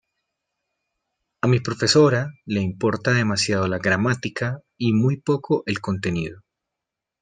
A mi profesora le importa demasiado la gramática y muy poco el contenido.